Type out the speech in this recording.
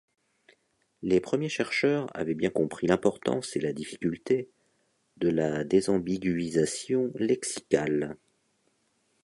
Les premiers chercheurs avaient bien compris l'importance et la difficulté de la désambiguïsation lexicale.